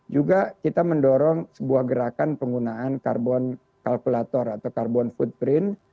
juga kita mendorong sebuah gerakan penggunaan carbon calculator atau carbon footprint